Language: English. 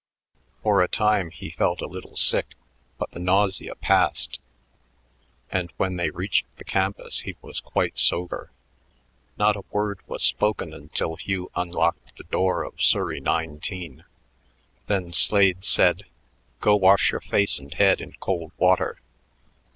For a time he felt a little sick, but the nausea passed, and when they reached the campus he was quite sober. Not a word was spoken until Hugh unlocked the door of Surrey 19. Then Slade said: "Go wash your face and head in cold water.